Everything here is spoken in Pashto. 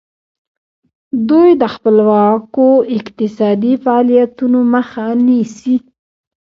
دوی د خپلواکو اقتصادي فعالیتونو مخه نیسي.